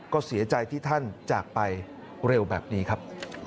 ก็เสียใจที่ท่านจากไปเร็วแบบนี้ครับ